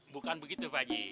bukan begitu pak ji